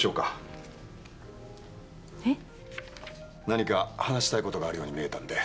何か話したいことがあるように見えたんで。